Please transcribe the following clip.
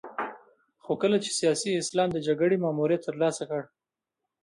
خو کله چې سیاسي اسلام د جګړې ماموریت ترلاسه کړ.